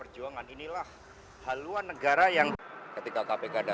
dan mengatakan bahwa